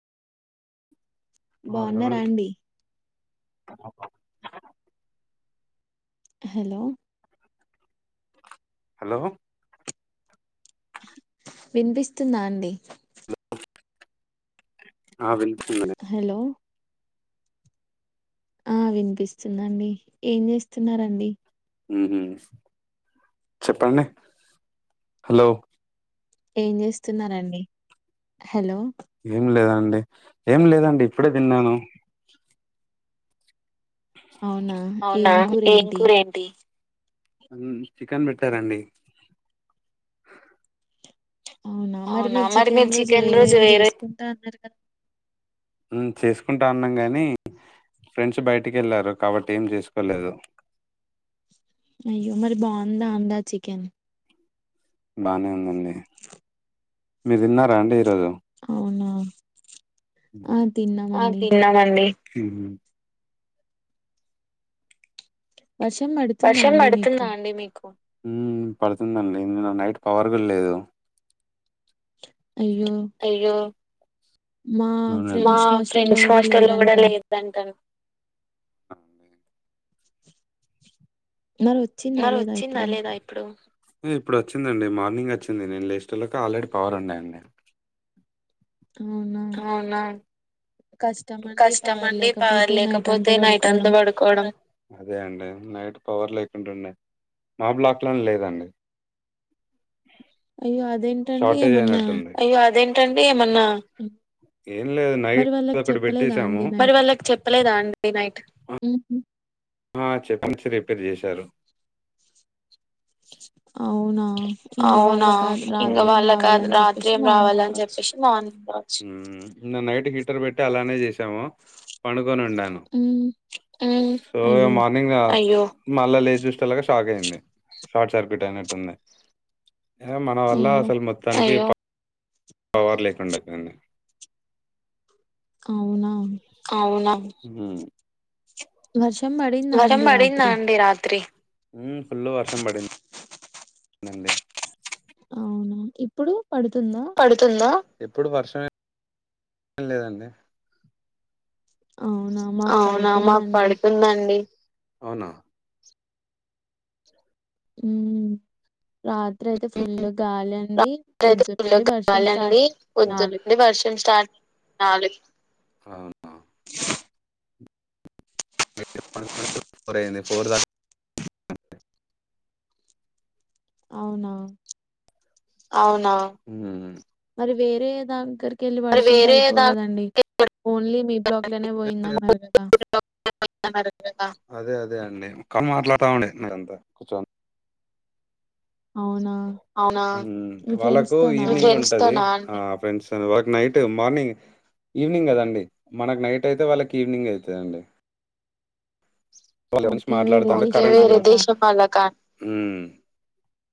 ఆ వినబడుతు బాన్నారాండి. [inaudible] Hello. Hello. వినిపిస్తుందా అండి. అ వినీ పి. హలో. ఆ వినిపిస్తుందండి, ఏం చేస్తున్నారండి. ఉహు చెప్పడి హలో. ఏం చేస్తున్నారండి, హలో. ఏం లేదండి, ఏం లేదండి, ఇప్పుడే తిన్నాను. అవునా అవునా, ఏం కూర ఏంటి ఏంకురేంటి. చికెన్ పెట్టారండి. అవునా, మరి మీరు చికెన్ రోజు, వేరే ఏదో చేసుకుంటా, అన్నారు కదా. ఊ చేసుకుంటా అన్నాం గాని. ఫ్రెండ్స్ బయటికి కెళ్లారు, కాబట్టి ఏం చేసుకోలేదు. అయ్యో, మరి బాగుందా అందా చికెన్. బానే ఉందండి, మీ తిన్నారా అండి. అవునా ఆ ఆ తిన్నామండి తిన్నానండి. [unintelligible] వర్షం పడుతుందా వర్షం అండి మీకు పడుతుందా అండి మీకు. ఊ పడుతుందండి, ఇందులో, నైట్ పవర్ కూడా లేదు. అయ్యో అయ్యో. మా మా ఫ్రెండ్స్ హాస్టల్లో ఫ్రెండ్స్ కూడా హాస్టల్ లో, కూడా లేదంటండి లేద అంటా. మరి వచ్చిందా మరి లేదా వొచ్చిందా ఇప్పుడు లేదా ఇప్పుడు. ఊ ఇప్పుడు వొచ్చిందండి, మార్నింగ్ అచ్చింది, నేను లేస్టళ్లకు ఆల్రెడీ పోవర్ ఉండే అండి. అవునా అవునా. కష్టం అండి పవర్ కష్టమఅండి, పవర్ లేకపోతే నైట్ లేకపోతే, అంతా నైట్ పడుకోవడం అంతా పడుకోవడం. అదే అండి నైట్ పవర్ లే కుంటుండే మా బ్లాక్ లోనే లేదండి అయ్యో! అదేంటండి షార్టేజ్ ఏమన్నా అయినట్టుంది అయ్యో అదేన్ ఏంటండీ ఏమాన్నా ఏం లేదు నై మరి వాళ్ళకి అదొకటి చెప్పలేదా బేట్టేసాము అండి మరి నైట్? వాళ్ళకి చెప్పలేదా అండి నైట్ హుహు. ఆ చెప్లిచి రిపేర్ చేశారు అవునా! ఇంగ అవునా వాళ్ళకా ఇంగా రాత్రి ఏం వాళ్ళ కాదు రావాలని రాత్రి చెప్పేసి ఏం మార్నింగ్ రావాలని రావచ్చు. చెప్పేసి ననుండచు నిన్న నైట్ హీటర్ పెట్టి అలానే చేసాము పండుకొని ఉండాను హ్మ్. సో ఇగ అయ్యో! మార్నింగ్ మళ్ళా లేసి చూసెటలకు షాక్ అయింది షార్ట్ సర్క్యూట్ అయినట్టుంది మన వల్ల అయ్యో! అసలు మొత్తానికి పవర్ లేకుండా అయిపెనండి అవునా హు వర్షం పడిందా వర్షం అండి పడిందా రాత్రి? అండి రాత్రి ఫుల్ వర్షం పడిం దండి అవునా ఇప్పుడు పడుతుందా? పడుతుందా ఇప్పుడు వర్షమేం లేదండి అవునా! మాకు అవునా మాకు పడుతుందండి. పడుతుందండి అవునా ఉమ్ రా త్రి అయితే ఫుల్ గాలి అండి రాత్రి అయితే ఫుల్గా పొద్దుండి వర్షం స్టార్ట్ గాలండి నాలుగు పొద్దునుండి వర్షం స్టార్ట్ అవునా జెప్ జెప్ పండుకునే సరికే ఫోర్ అయింది ఫోర్ దాక అవునా అవునా మరి వేరే దగ్గర్ కేళ్ళి మరి పడుకుంటే వేరే అయిపో దాని కదండి ఓన్లీ మీ బ్లాక్ లనే పోయిందన్నారు కదా అదే అది అదే అండి ఒక మాట్లాడుతా ఉండే మీరంతా కూచొని అవునా అవునా మీ ఫ్రెండ్స్ వాళ్ళకు తోనా ఈవినింగ్ అండి ఉంటది ఆ ఫ్రెండ్స్ తోని వాళ్లకు నైట్ మార్నింగ్ ఈవినింగ్ కదండి మనకు నైట్ అయితే వాళ్ళకి ఈవినింగ్ అయితదండి వాళ్ళు కలిసి ఓకే వేరే మాట్లాడుతుంటే దేశం కరెంట్ వాళ్ళకా